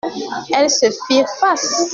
Elles se firent face.